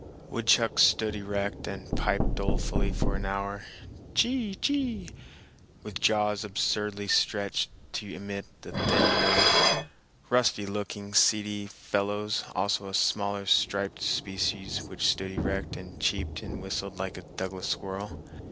Woodchucks stood erect and piped dolefully for an hour "Chee chee!" with jaws absurdly stretched to emit so thin a note—rusty looking, seedy fellows, also a smaller striped species which stood erect and cheeped and whistled like a Douglas squirrel.